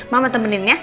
mama temenin ya